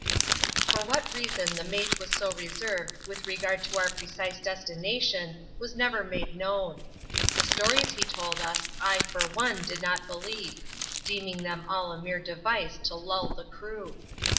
For what reason the mate was so reserved with regard to our precise destination was never made known. The stories he told us, I, for one, did not believe ; deeming them all a mere device to lull the crew.